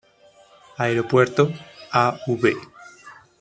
Aeropuerto, Av.